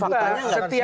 faktanya nggak terjadi